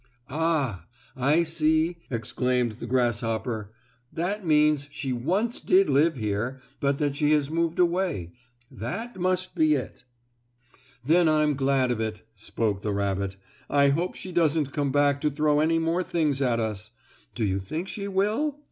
"Ah, I see!" exclaimed the grasshopper, "That means she once did live here, but that she has moved away. That must be it." "Then I'm glad of it," spoke the rabbit. "I hope she doesn't come back to throw any more things at us. Do you think she will?"